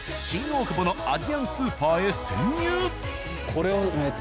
新大久保のアジアンスーパーへ潜入！